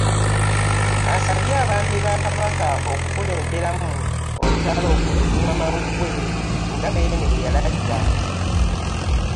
Asabye abaami ba Kabaka okukulemberamu olutalo ku Lumiimamawuggwe nga Beene bwe yalagira